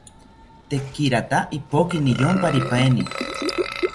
Tekirata ipoki niyomparipaeni